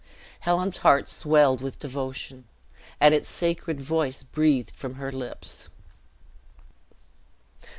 Helen's heart swelled with devotion, and its sacred voice breathed from her lips.